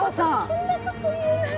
そんなこと言えない。